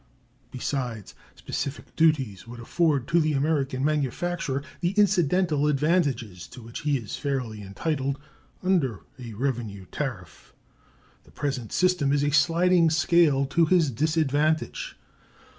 Besides, specific duties would afford to the American manufacturer the incidental advantages to which he is fairly entitled under a revenue tariff. The present system is a sliding scale to his disadvantage.